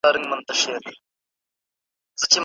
آیا بې سوادي د پرمختګ مخه نیسي؟